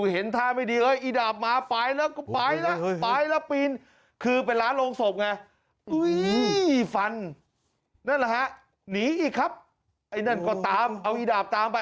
หนีฟันนั่นแหละฮะหนีอีกครับไอ้นั่นก็ตามเอาอีดาบตามไป